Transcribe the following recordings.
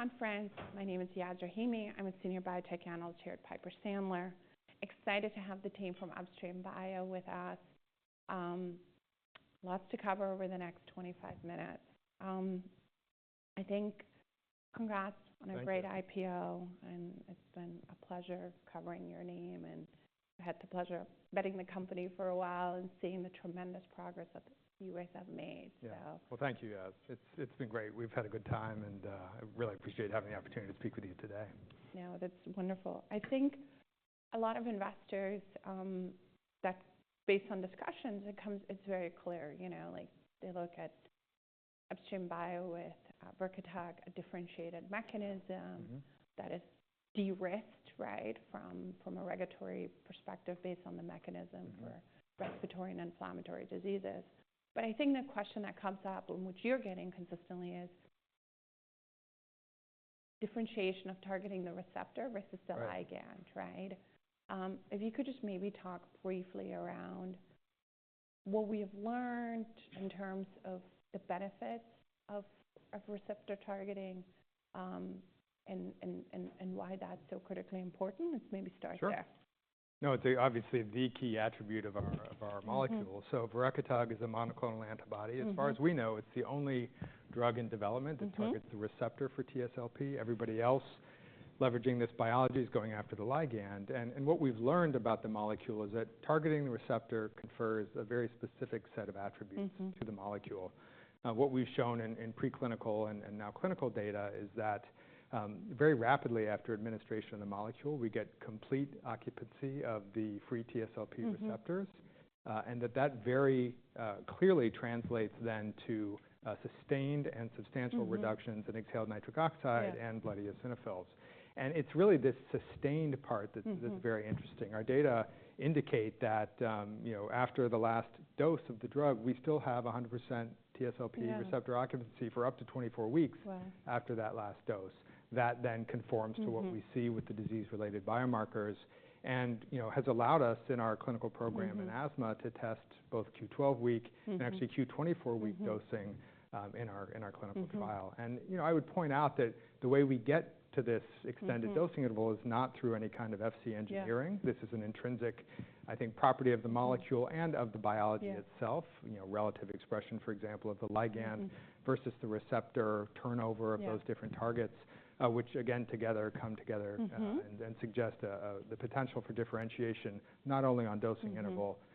Conference. My name is Yasmeen Rahimi. I'm a Senior Biotech Analyst here at Piper Sandler. Excited to have the team from Upstream Bio with us. Lots to cover over the next 25 minutes. I think. Congrats on a great IPO, and it's been a pleasure covering your name, and I've had the pleasure of backing the company for a while and seeing the tremendous progress that you guys have made, so. Yeah. Well, thank you, Yaz. It's been great. We've had a good time, and I really appreciate having the opportunity to speak with you today. No, that's wonderful. I think a lot of investors, that's based on discussions, it comes, it's very clear, you know, like they look at Upstream Bio with Verekitug, a differentiated mechanism. Mm-hmm. That is de-risked, right, from a regulatory perspective based on the mechanism for. Mm-hmm. Respiratory and inflammatory diseases, but I think the question that comes up, and which you're getting consistently, is differentiation of targeting the receptor versus the ligand, right? Right. If you could just maybe talk briefly around what we have learned in terms of the benefits of receptor targeting, and why that's so critically important, let's maybe start there. Sure. No, it's a, obviously the key attribute of our molecule. So Verekitug is a monoclonal antibody. Mm-hmm. As far as we know, it's the only drug in development that targets. Mm-hmm. The receptor for TSLP. Everybody else leveraging this biology is going after the ligand. And what we've learned about the molecule is that targeting the receptor confers a very specific set of attributes. Mm-hmm. To the molecule. What we've shown in preclinical and now clinical data is that, very rapidly after administration of the molecule, we get complete occupancy of the free TSLP receptors. Mm-hmm. and that very clearly translates then to sustained and substantial reductions. Mm-hmm. In exhaled nitric oxide and blood eosinophils, and it's really this sustained part that's. Mm-hmm. That's very interesting. Our data indicate that, you know, after the last dose of the drug, we still have 100% TSLP. Mm-hmm. Receptor occupancy for up to 24 weeks. Wow. After that last dose, that then conforms to what we see with the disease-related biomarkers and, you know, has allowed us in our clinical program. Mm-hmm. In asthma to test both Q12W. Mm-hmm. Actually Q24-week dosing in our clinical trial. Mm-hmm. You know, I would point out that the way we get to this extended dosing interval is not through any kind of Fc engineering. Yeah. This is an intrinsic, I think, property of the molecule and of the biology itself. Yeah. You know, relative expression, for example, of the ligand. Mm-hmm. Versus the receptor turnover of those different targets. Mm-hmm. which again, together come together. Mm-hmm. Suggest the potential for differentiation not only on dosing interval. Mm-hmm.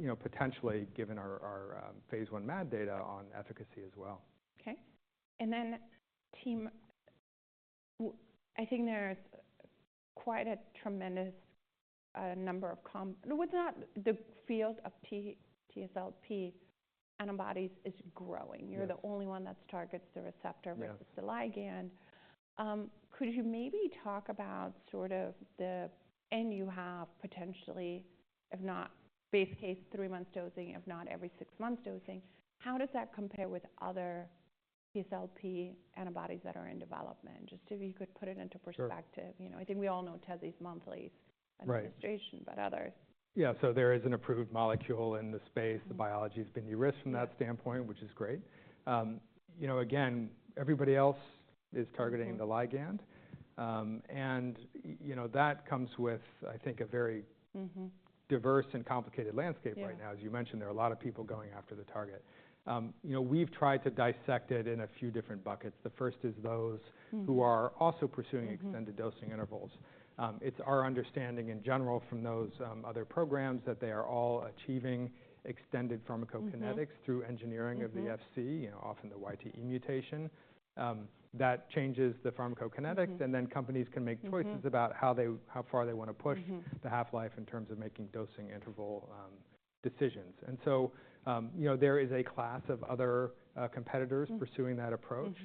You know, potentially given our phase one MAD data on efficacy as well. Okay. And then, team, I think there's quite a tremendous number of companies. Well, it's not. The field of TSLP antibodies is growing. Mm-hmm. You're the only one that targets the receptor versus the ligand. Yeah. Could you maybe talk about and you have potentially, if not base case, three-month dosing, if not every six months dosing. How does that compare with other TSLP antibodies that are in development? Just if you could put it into perspective. Sure. You know, I think we all know Tezi's monthlies. Right. Administration, but others. Yeah. So there is an approved molecule in the space. The biology's been de-risked from that standpoint, which is great. You know, again, everybody else is targeting the ligand. Mm-hmm. and, you know, that comes with, I think, a very. Mm-hmm. Diverse and complicated landscape right now. Mm-hmm. As you mentioned, there are a lot of people going after the target. You know, we've tried to dissect it in a few different buckets. The first is those. Mm-hmm. Who are also pursuing extended dosing intervals. It's our understanding in general from those other programs that they are all achieving extended pharmacokinetics through engineering of the Fc. Mm-hmm. You know, often the YTE mutation that changes the pharmacokinetics, and then companies can make choices about how far they wanna push. Mm-hmm. The half-life in terms of making dosing interval decisions, and so, you know, there is a class of other competitors pursuing that approach.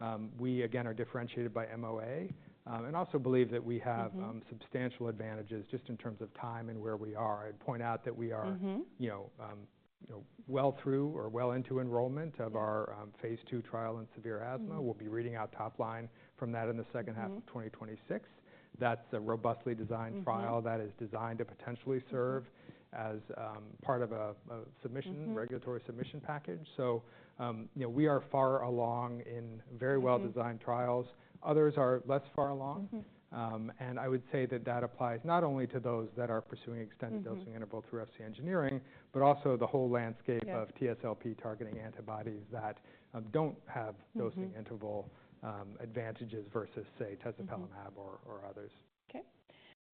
Mm-hmm. We again are differentiated by MOA, and also believe that we have. Mm-hmm. Substantial advantages just in terms of time and where we are. I'd point out that we are. Mm-hmm. You know, well into enrollment of our phase two trial in severe asthma. We'll be reading out top line from that in the second half of 2026. That's a robustly designed trial that is designed to potentially serve as part of a submission. Mm-hmm. Regulatory submission package. So, you know, we are far along in very well-designed trials. Others are less far along. Mm-hmm. And I would say that that applies not only to those that are pursuing extended dosing interval through Fc engineering, but also the whole landscape of TSLP targeting antibodies that don't have dosing interval advantages versus, say, Tezepelamab or others. Okay.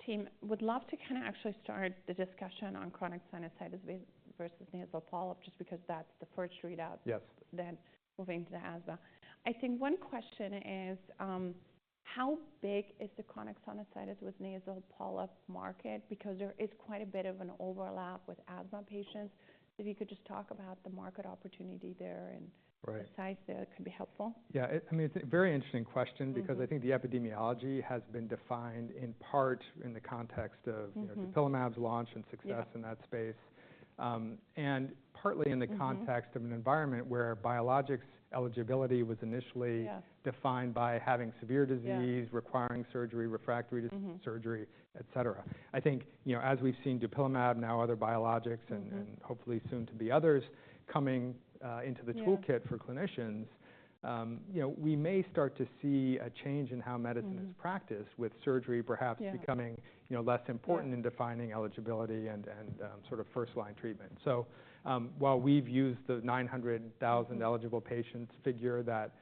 Team, would love to kinda actually start the discussion on chronic sinusitis with nasal polyp just because that's the first readout. Yes. Then moving to the asthma. I think one question is, how big is the chronic sinusitis with nasal polyp market? Because there is quite a bit of an overlap with asthma patients. If you could just talk about the market opportunity there and. Right. Besides that, it could be helpful. Yeah. It, I mean, it's a very interesting question. Mm-hmm. Because I think the epidemiology has been defined in part in the context of, you know. Mm-hmm. Tezepelamab's launch and success in that space. Mm-hmm. and partly in the context of an environment where biologics eligibility was initially. Yes. Defined by having severe disease. Mm-hmm. Requiring surgery, refractory to. Mm-hmm. Surgery, etc. I think, you know, as we've seen Dupilumab, now other biologics and hopefully soon to be others coming into the toolkit for clinicians, you know, we may start to see a change in how medicine is practiced with surgery perhaps. Yeah. Becoming, you know, less important in defining eligibility and sort of first-line treatment. So, while we've used the 900,000 eligible patients figure that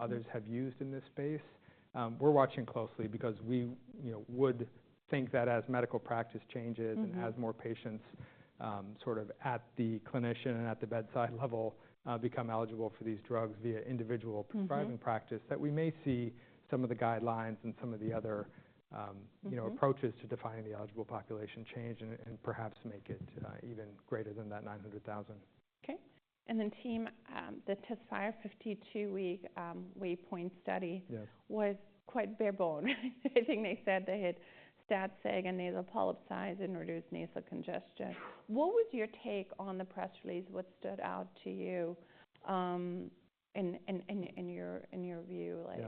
others have used in this space, we're watching closely because we, you know, would think that as medical practice changes and as more patients, sort of at the clinician and at the bedside level, become eligible for these drugs via individual prescribing practice. Mm-hmm. That we may see some of the guidelines and some of the other, you know, approaches to defining the eligible population change and perhaps make it even greater than that 900,000. Okay. And then team, the Tezspire 52-week Waypoint study. Yes. Was quite bare-bones. I think they said they had stats saying a nasal polyp size and reduced nasal congestion. What was your take on the press release? What stood out to you, in your view, like?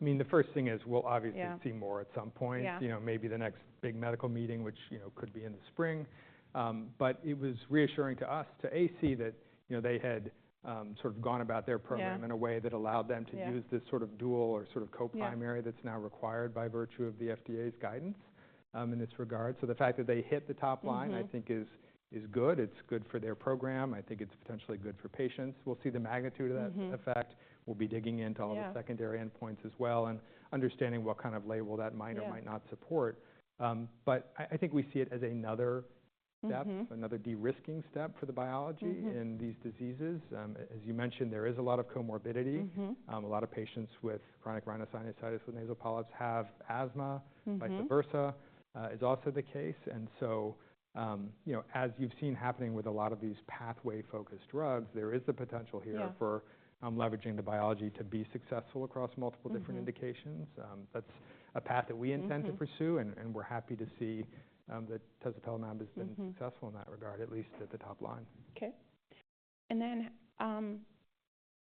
Yeah. I mean, the first thing is we'll obviously see more at some point. Yeah. You know, maybe the next big medical meeting, which, you know, could be in the spring. But it was reassuring to us to see that, you know, they had, sort of gone about their program in a way that allowed them to use this sort of dual or sort of co-primary that's now required by virtue of the FDA's guidance, in this regard. So the fact that they hit the top line. Mm-hmm. I think it's good. It's good for their program. I think it's potentially good for patients. We'll see the magnitude of that. Mm-hmm. Effect. We'll be digging into all the secondary endpoints as well, and understanding what kind of label that might or might not support. Mm-hmm. But I think we see it as another step. Mm-hmm. Another de-risking step for the biology. Mm-hmm. In these diseases, as you mentioned, there is a lot of comorbidity. Mm-hmm. A lot of patients with chronic rhinosinusitis with nasal polyps have asthma. Mm-hmm. Vice versa is also the case. And so, you know, as you've seen happening with a lot of these pathway-focused drugs, there is the potential here. Yeah. For leveraging the biology to be successful across multiple different indications. Mm-hmm. That's a path that we intend to pursue, and we're happy to see that Tezepelamab has been successful in that regard, at least at the top line. Okay. And then,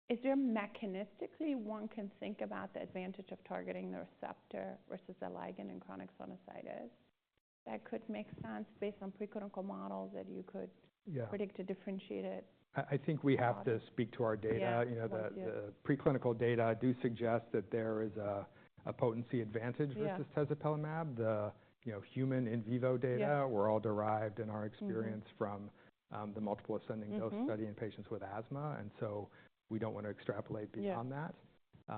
is there a mechanistically one can think about the advantage of targeting the receptor versus the ligand in chronic sinusitis that could make sense based on preclinical models that you could? Yeah. Predict a differentiated. I think we have to speak to our data. Yeah. You know, the preclinical data do suggest that there is a potency advantage. Mm-hmm. Versus Tezepelamab. The, you know, human in vivo data were all derived in our experience from the multiple ascending dose study in patients with asthma. Mm-hmm. And so we don't wanna extrapolate beyond that. Yeah.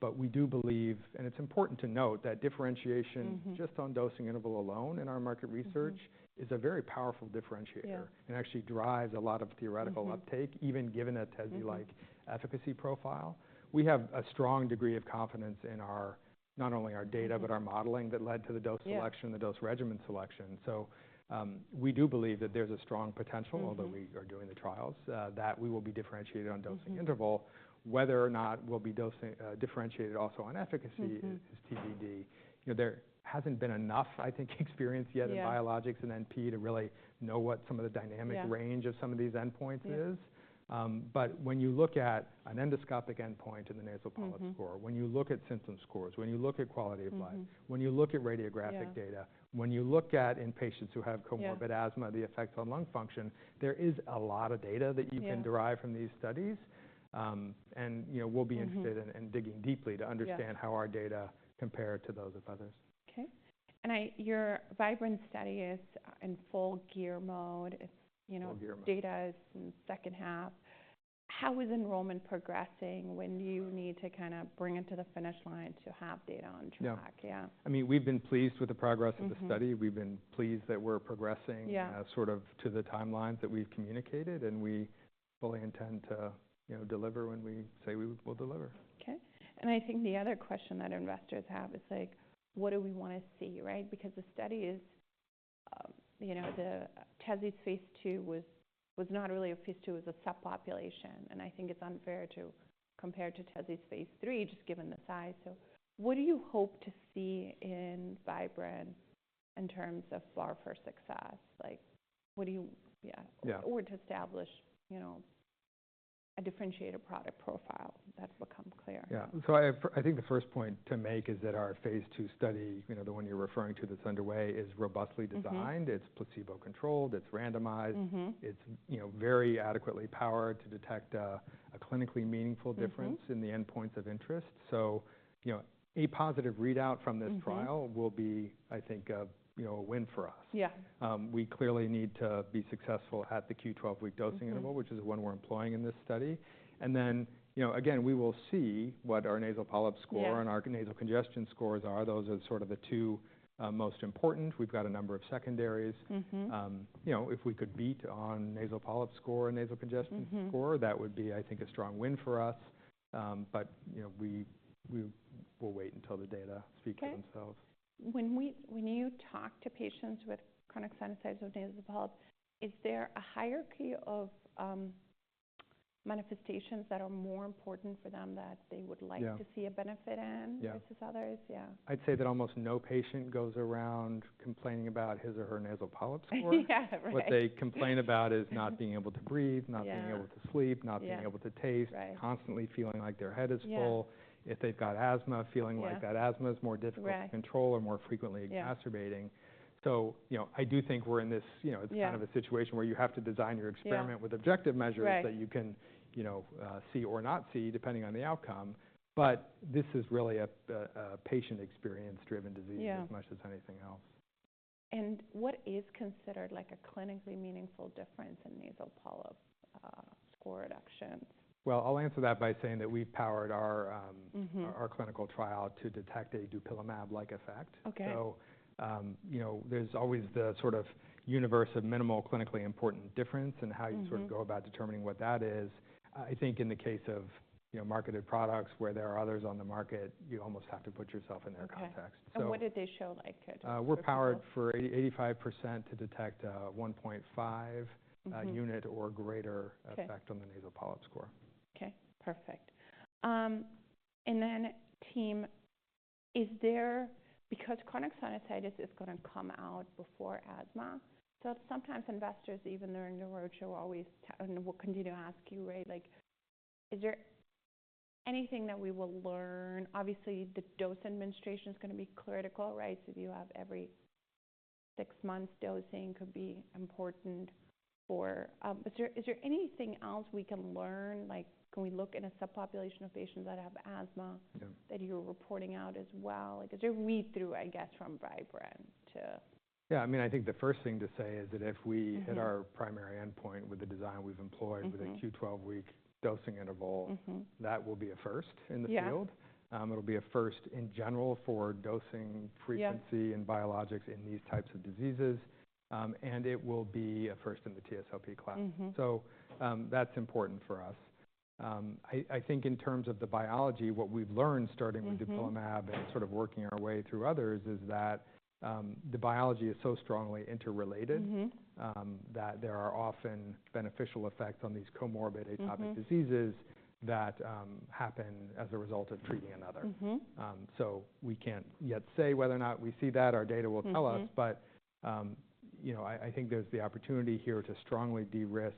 but we do believe, and it's important to note that differentiation. Mm-hmm. Just on dosing interval alone in our market research is a very powerful differentiator. Yeah. Actually drives a lot of theoretical uptake, even given a Tezi-like efficacy profile. We have a strong degree of confidence in our, not only our data, but our modeling that led to the dose selection. Mm-hmm. The dose regimen selection. We do believe that there's a strong potential. Mm-hmm. Although we are doing the trials, that we will be differentiated on dosing interval. Whether or not we'll be dosing, differentiated also on efficacy is TBD. You know, there hasn't been enough, I think, experience yet in biologics and NP to really know what some of the dynamic range of some of these endpoints is. Mm-hmm. but when you look at an endoscopic endpoint in the nasal polyp score. Mm-hmm. When you look at symptom scores, when you look at quality of life. Mm-hmm. When you look at radiographic data. Mm-hmm. When you look at in patients who have comorbid asthma, the effects on lung function, there is a lot of data that you can derive from these studies. Mm-hmm. And, you know, we'll be interested in digging deeply to understand how our data compare to those of others. Okay. Your VIBRANT study is in full gear mode. It's, you know. Full gear mode. Data is in second half. How is enrollment progressing when you need to kinda bring it to the finish line to have data on track? Yeah. Yeah. I mean, we've been pleased with the progress of the study. Mm-hmm. We've been pleased that we're progressing. Yeah. Sort of to the timelines that we've communicated, and we fully intend to, you know, deliver when we say we will deliver. Okay. And I think the other question that investors have is like, what do we wanna see, right? Because the study is, you know, the Tezi's phase two was not really a phase two. It was a subpopulation. And I think it's unfair to compare to Tezi's phase three just given the size. So what do you hope to see in Vibrant in terms of bar for success? Like, what do you yeah. Yeah. Or to establish, you know, a differentiated product profile that's become clear? Yeah. So I think the first point to make is that our phase two study, you know, the one you're referring to that's underway, is robustly designed. Mm-hmm. It's placebo-controlled. It's randomized. Mm-hmm. It's, you know, very adequately powered to detect a clinically meaningful difference. Mm-hmm. In the endpoints of interest, so, you know, a positive readout from this trial will be, I think, you know, a win for us. Yeah. We clearly need to be successful at the Q12 week dosing interval, which is the one we're employing in this study, and then, you know, again, we will see what our nasal polyp score and our nasal congestion scores are. Those are sort of the two most important. We've got a number of secondaries. Mm-hmm. You know, if we could beat on nasal polyp score and nasal congestion score. Mm-hmm. That would be, I think, a strong win for us. But, you know, we will wait until the data speak for themselves. Okay. When you talk to patients with chronic sinusitis with nasal polyp, is there a hierarchy of manifestations that are more important for them that they would like to see a benefit in versus others? Yeah. Yeah. I'd say that almost no patient goes around complaining about his or her nasal polyp score. Yeah. Right. What they complain about is not being able to breathe, not being able to sleep. Yeah. Not being able to taste. Right. Constantly feeling like their head is full. Yeah. If they've got asthma, feeling like that asthma is more difficult to control or more frequently exacerbating. Yeah. So, you know, I do think we're in this, you know, it's kind of a situation where you have to design your experiment with objective measures. Right. That you can, you know, see or not see depending on the outcome. But this is really a patient experience-driven disease. Yeah. As much as anything else. What is considered like a clinically meaningful difference in nasal polyp score reductions? I'll answer that by saying that we've powered our, Mm-hmm. Our clinical trial to detect a Dupilumab-like effect. Okay. You know, there's always the sort of universe of minimal clinically important difference and how you sort of go about determining what that is. I think in the case of, you know, marketed products where there are others on the market, you almost have to put yourself in their context. Yeah. So. What did they show like? We're powered for 85% to detect 1.5. Mm-hmm. unit or greater effect on the nasal polyp score. Okay. Perfect. And then, team, is there because chronic sinusitis is gonna come out before asthma, so sometimes investors, even during the roadshow, always talk and will continue to ask you, right, like, is there anything that we will learn? Obviously, the dose administration's gonna be critical, right? So if you have every six months dosing could be important for. Is there anything else we can learn? Like, can we look at a subpopulation of patients that have asthma? Yeah. That you're reporting out as well? Like, is there a read-through, I guess, from VIBRANT to? Yeah. I mean, I think the first thing to say is that if we hit our primary endpoint with the design we've employed with a Q12 week dosing interval. Mm-hmm. That will be a first in the field. Yeah. It'll be a first in general for dosing frequency and biologics in these types of diseases. And it will be a first in the TSLP class. Mm-hmm. That's important for us. I think in terms of the biology, what we've learned starting with Dupilumab and sort of working our way through others is that, the biology is so strongly interrelated. Mm-hmm. that there are often beneficial effects on these comorbid atopic diseases that happen as a result of treating another. Mm-hmm. So we can't yet say whether or not we see that. Our data will tell us. Mm-hmm. But, you know, I think there's the opportunity here to strongly de-risk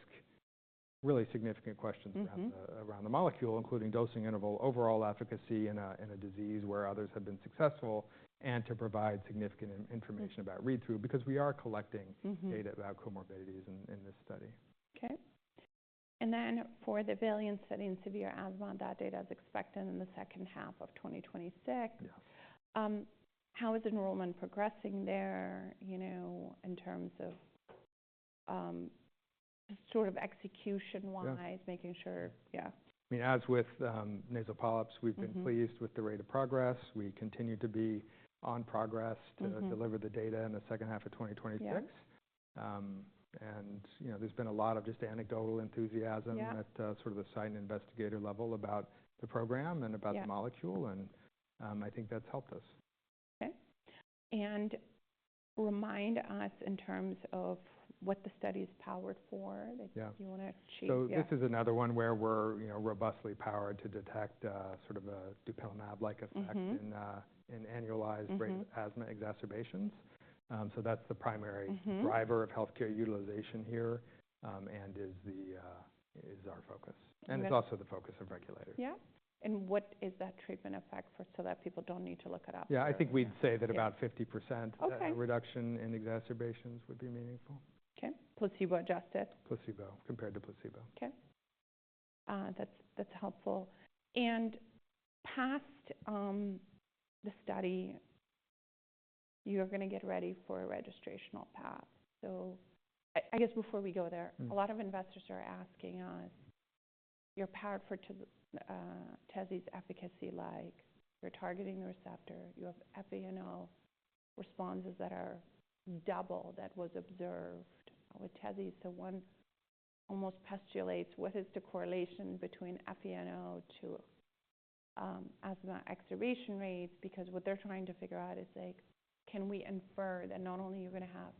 really significant questions around the molecule, including dosing interval, overall efficacy in a disease where others have been successful, and to provide significant information about read-through because we are collecting. Mm-hmm. Data about comorbidities in this study. Okay, and then for the VALIANT study in severe asthma, that data is expected in the second half of 2026. Yes. How is enrollment progressing there, you know, in terms of, sort of execution-wise? Yeah. Making sure, yeah. I mean, as with nasal polyps, we've been pleased with the rate of progress. We continue to be on progress to deliver the data in the second half of 2026. Yeah. And, you know, there's been a lot of just anecdotal enthusiasm. Yeah. At sort of the site and investigator level about the program and about the molecule. Yeah. I think that's helped us. Okay. And remind us in terms of what the study is powered for. Yeah. That you wanna achieve here. This is another one where we're, you know, robustly powered to detect, sort of a Dupilumab-like effect in annualized asthma exacerbations. That's the primary driver of healthcare utilization here, and is our focus. Okay. It's also the focus of regulators. Yeah, and what is that treatment effect for so that people don't need to look it up? Yeah. I think we'd say that about 50%. Okay. reduction in exacerbations would be meaningful. Okay. Placebo-adjusted? Placebo compared to placebo. Okay. That's, that's helpful. And past the study, you're gonna get ready for a registrational phase. So I guess before we go there. Mm-hmm. A lot of investors are asking us, "you're powered for to Tezi's efficacy-like." You're targeting the receptor. You have FeNO responses that are double that was observed with Tezi. So one almost postulates, what is the correlation between FeNO to asthma exacerbation rates? Because what they're trying to figure out is like, can we infer that not only are you gonna have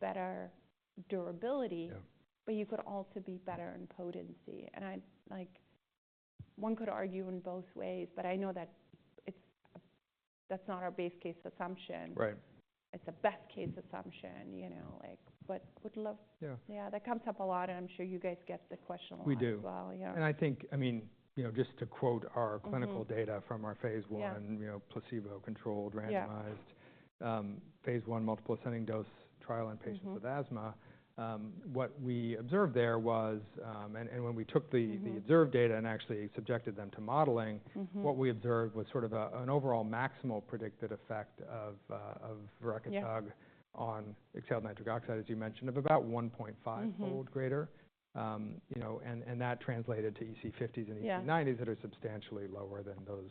better durability. Yeah. But you could also be better in potency? And I like, one could argue in both ways, but I know that it's, that's not our base case assumption. Right. It's a best case assumption, you know, like, but would love. Yeah. Yeah. That comes up a lot, and I'm sure you guys get the question a lot as well. We do. Yeah. I think, I mean, you know, just to quote our clinical data from our phase one. Mm-hmm. You know, placebo-controlled, randomized. Yeah. phase 1 multiple ascending dose trial in patients with asthma. Mm-hmm. What we observed there was, and when we took the observed data and actually subjected them to modeling. Mm-hmm. What we observed was sort of an overall maximal predicted effect of verekitug. Yeah. On exhaled nitric oxide, as you mentioned, of about 1.5 fold greater. Mm-hmm. You know, and that translated to EC50s and EC90s that are substantially lower than those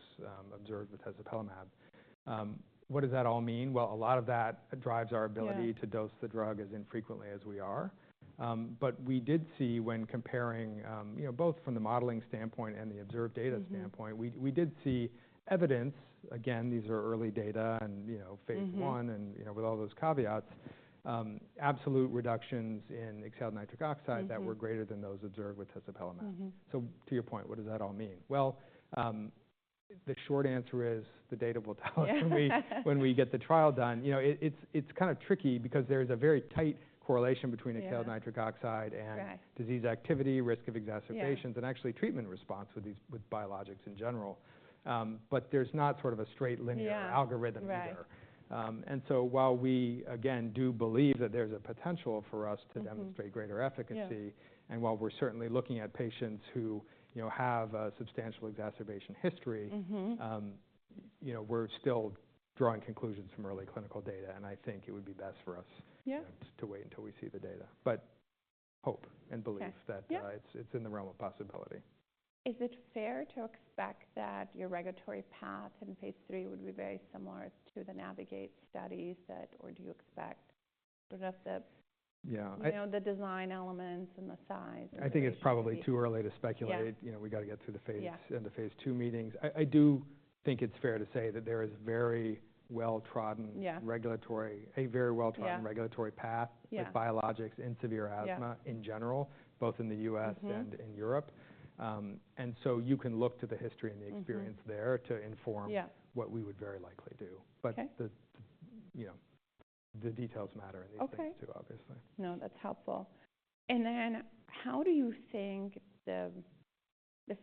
observed with Tezepelamab. What does that all mean? Well, a lot of that drives our ability to dose the drug as infrequently as we are. But we did see when comparing, you know, both from the modeling standpoint and the observed data standpoint. Mm-hmm. We did see evidence, again, these are early data and, you know, phase one and, you know, with all those caveats, absolute reductions in exhaled nitric oxide that were greater than those observed with tezepelamab. Mm-hmm. So to your point, what does that all mean? Well, the short answer is the data will tell us when we get the trial done. You know, it's kinda tricky because there's a very tight correlation between exhaled nitric oxide and disease activity, risk of exacerbations. Yeah. And actually treatment response with these, with biologics in general. But there's not sort of a straight linear algorithm either. Right. And so while we, again, do believe that there's a potential for us to demonstrate greater efficacy. Yeah. While we're certainly looking at patients who, you know, have a substantial exacerbation history. Mm-hmm. You know, we're still drawing conclusions from early clinical data, and I think it would be best for us. Yeah. To wait until we see the data, but hope and belief that. Yeah. It's in the realm of possibility. Is it fair to expect that your regulatory path in phase three would be very similar to the Navigate studies that, or do you expect sort of the? Yeah. You know, the design elements and the size? I think it's probably too early to speculate. Yeah. You know, we gotta get through the phase. Yeah. In the phase two meetings, I do think it's fair to say that there is very well-trodden. Yeah. Regulatory, a very well-trodden regulatory path. Yeah. With biologics in severe asthma in general, both in the U.S. and in Europe. Mm-hmm. And so you can look to the history and the experience there to inform. Yeah. What we would very likely do. Okay. But you know, the details matter in these things too, obviously. Okay. No, that's helpful. And then how do you think the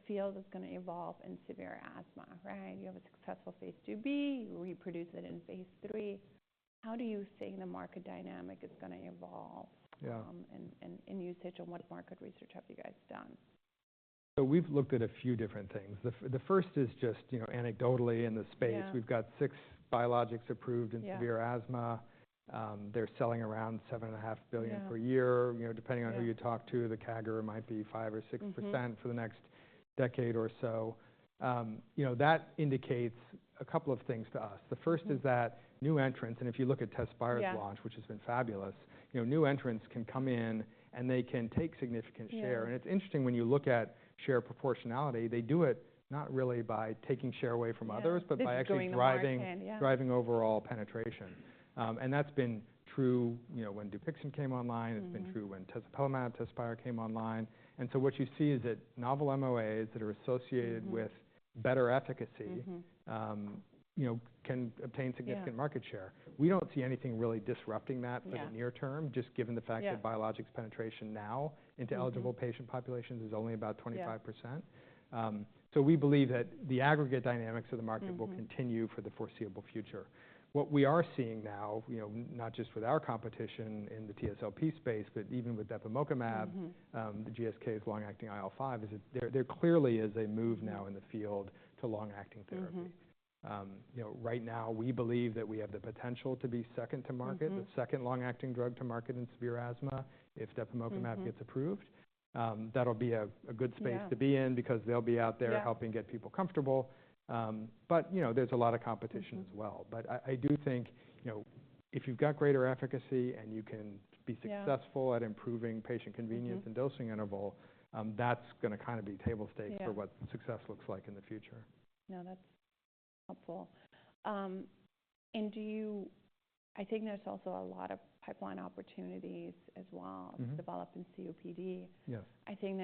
field is gonna evolve in severe asthma, right? You have a successful phase 2b, you reproduce it in phase 3. How do you think the market dynamic is gonna evolve? Yeah. and usage and what market research have you guys done? So we've looked at a few different things. The first is just, you know, anecdotally in the space. Mm-hmm. We've got six biologics approved in severe asthma. Yeah. They're selling around $7.5 billion per year. Yeah. You know, depending on who you talk to, the CAGR might be 5% or 6% for the next decade or so. You know, that indicates a couple of things to us. The first is that new entrants, and if you look at Tezspire's launch. Yeah. Which has been fabulous, you know, new entrants can come in and they can take significant share. Yeah. It's interesting when you look at share proportionality, they do it not really by taking share away from others. Yeah. But by actually driving. Driving overall penetration. Yeah. And that's been true, you know, when Dupixent came online. Mm-hmm. It's been true when Tezepelamab, Tezspire came online. And so what you see is that novel MOAs that are associated with better efficacy. Mm-hmm. You know, can obtain significant market share. We don't see anything really disrupting that for the near term. Yeah. Just given the fact that biologics penetration now into eligible patient populations is only about 25%. Yeah. So we believe that the aggregate dynamics of the market will continue for the foreseeable future. What we are seeing now, you know, not just with our competition in the TSLP space, but even with Depemokimab. Mm-hmm. The GSK's long-acting IL-5 is that there clearly is a move now in the field to long-acting therapy. Mm-hmm. You know, right now we believe that we have the potential to be second to market. Mm-hmm. The second long-acting drug to market in severe asthma if Depemokimab gets approved. That'll be a good space to be in because they'll be out there helping get people comfortable, but you know, there's a lot of competition as well. But I do think, you know, if you've got greater efficacy and you can be successful at improving patient convenience and dosing interval, that's gonna kinda be table stakes. Yeah. For what success looks like in the future. No, that's helpful. And I think there's also a lot of pipeline opportunities as well. Mm-hmm. Developed in COPD. Yes. I think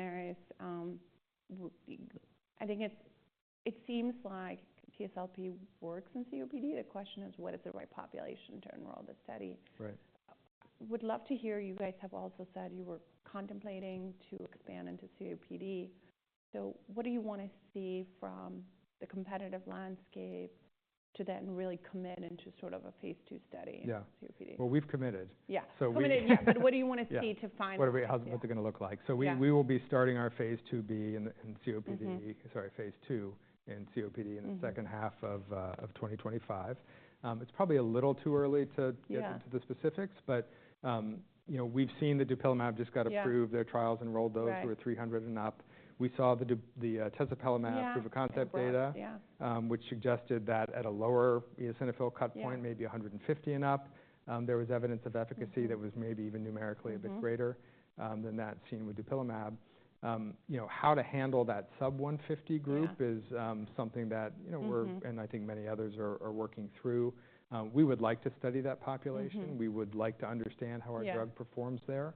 it seems like TSLP works in COPD. The question is what is the right population to enroll the study? Right. Would love to hear you guys have also said you were contemplating to expand into COPD. So what do you wanna see from the competitive landscape to then really commit into sort of a phase two study in COPD? Yeah, well, we've committed. Yeah. So we. So we've committed, yeah. But what do you wanna see to find? What are we? How's what's it gonna look like? Yeah. So we will be starting our phase two B in COPD. Okay. Sorry, phase two in COPD in the second half of 2025. It's probably a little too early to. Yeah. Get into the specifics, but, you know, we've seen that Dupilumab just got approved. Yeah. Their trials enrolled those who are 300 and up. We saw the Dup, Tezepelamab proof of concept data. Yeah. which suggested that at a lower eosinophil cut point. Mm-hmm. Maybe 150 and up, there was evidence of efficacy that was maybe even numerically a bit greater. Mm-hmm. than that seen with Dupilumab. You know, how to handle that sub-150 group. Mm-hmm. It's something that, you know, we're. Mm-hmm. I think many others are working through. We would like to study that population. Yeah. We would like to understand how our drug performs there.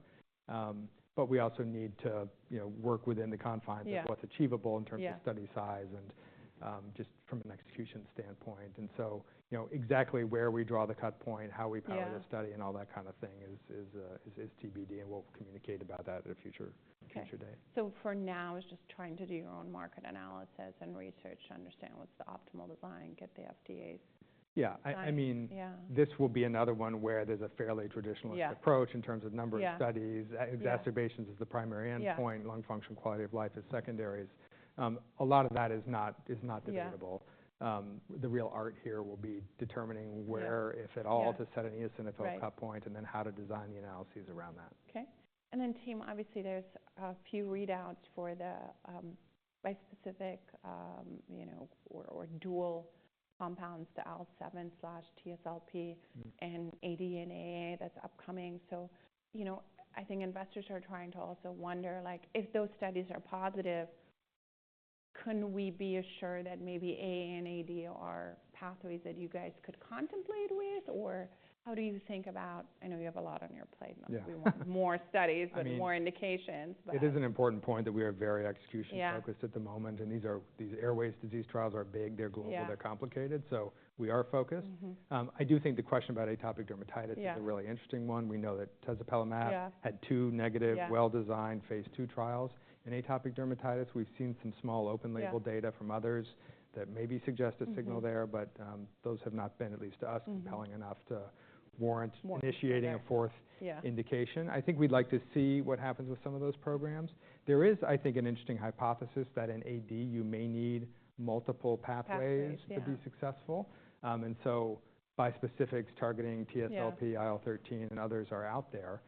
Yeah. But we also need to, you know, work within the confines of what's achievable in terms of study size and, just from an execution standpoint. And so, you know, exactly where we draw the cut point, how we power the study. Yeah. All that kinda thing is TBD, and we'll communicate about that at a future date. Okay. So for now, it's just trying to do your own market analysis and research to understand what's the optimal design, get the FDA's. Yeah. I mean. Yeah. This will be another one where there's a fairly traditionalist approach in terms of number of studies. Yeah. Exacerbations is the primary endpoint. Yeah. Lung function, quality of life is secondaries. A lot of that is not. Yeah. Defendable. Yeah. The real art here will be determining where, if at all. Yeah. To set an eosinophil cut point and then how to design the analyses around that. Okay, and then, team, obviously there's a few readouts for the bispecific, you know, or dual compounds to IL-7/TSLP. Mm-hmm. And AD and AA that's upcoming. So, you know, I think investors are trying to also wonder, like, if those studies are positive, can we be assured that maybe AA and AD are pathways that you guys could contemplate with? Or how do you think about, I know you have a lot on your plate. Yeah. We want more studies. Mm-hmm. But more indications, but. It is an important point that we are very execution focused at the moment. Yeah. These airways disease trials are big. Yeah. They're global, they're complicated. Yeah. So we are focused. Mm-hmm. I do think the question about atopic dermatitis is a really interesting one. Yeah. We know that Tezepelamab. Yeah. Had two negative. Yeah. Well-designed phase 2 trials in atopic dermatitis. We've seen some small open label data from others that maybe suggest a signal there, but those have not been, at least to us, compelling enough to warrant initiating a fourth. Yeah. Indication. I think we'd like to see what happens with some of those programs. There is, I think, an interesting hypothesis that in AD you may need multiple pathways. Yeah. To be successful, and so bispecifics targeting TSLP. Yeah. IL-13 and others are out there.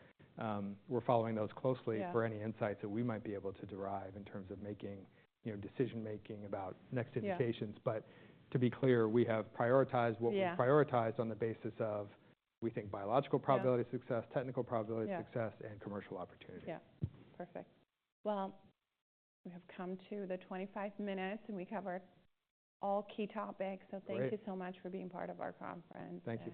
We're following those closely. Yeah. For any insights that we might be able to derive in terms of making, you know, decision-making about next indications. Yeah. But to be clear, we have prioritized what we've prioritized on the basis of, we think, biological probability of success, technical probability of success. Yeah. Commercial opportunity. Yeah. Perfect. We have come to the 25 minutes and we covered all key topics. Right. Thank you so much for being part of our conference. Thank you.